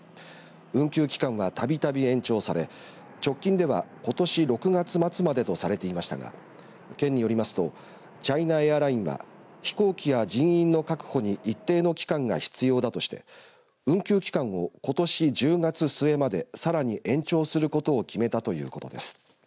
運休期間はたびたび延長され直近ではことし６月末までとされていましたが県によりますとチャイナエアラインは飛行機や人員の確保に一定の期間が必要だとして運休期間をことし１０月末までさらに延長することを決めたということです。